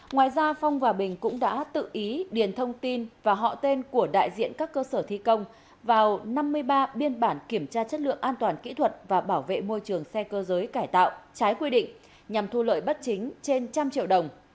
ngoài ra phong và bình cũng đã tự ý điền thông tin và họ tên của đại diện các cơ sở thi công vào năm mươi ba biên bản kiểm tra chất lượng an toàn kỹ thuật và bảo vệ môi trường xe cơ giới cải tạo trái quy định nhằm thu lợi bất chính trên trăm triệu đồng